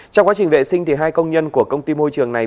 trong quá trình vệ sinh hai công nhân của công ty môi trường này